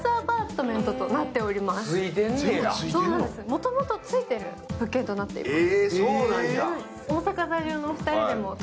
もともとついている物件となっています。